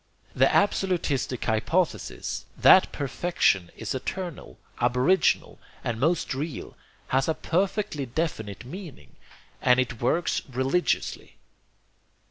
The absolutistic hypothesis, that perfection is eternal, aboriginal, and most real, has a perfectly definite meaning, and it works religiously.